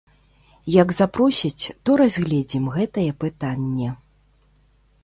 Як запросяць, то разгледзім гэтае пытанне.